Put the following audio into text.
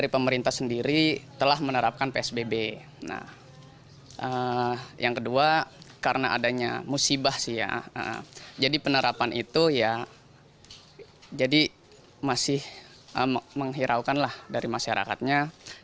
pemprov dki jakarta